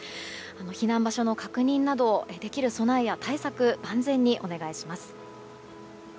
避難場所の確認などできる備えや対策を万全にお願いします。